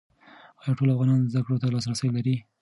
ایا ټول افغانان زده کړو ته لاسرسی لري؟